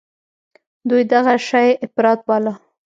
دوى دغه شى اپرات باله.